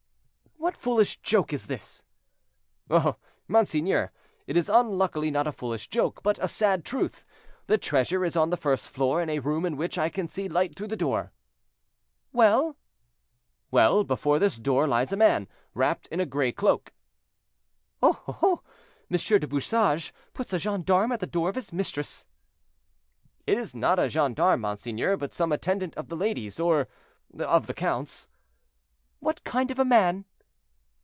"What foolish joke is this?" "Oh! monseigneur, it is unluckily not a foolish joke, but a sad truth. The treasure is on the first floor, in a room in which I can see light through the door." "Well?" "Well! before this door lies a man, wrapped in a gray cloak." "Oh, oh! M. du Bouchage puts a gendarme at the door of his mistress." "It is not a gendarme, monseigneur, but some attendant of the lady's or of the count's."—"What kind of a man?"